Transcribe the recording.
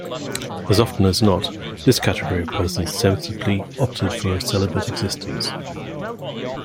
As often as not, this category of person sensibly opted for a celibate existence.